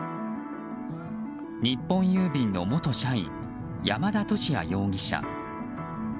日本郵便の元社員山田敏也容疑者。